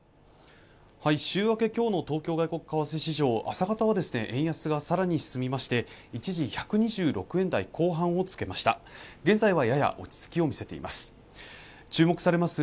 週明けきょうの東京外国為替市場朝方は円安がさらに進みまして一時１２６円台後半をつけました現在はやや落ち着きを見せています